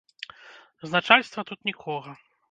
З начальства тут нікога.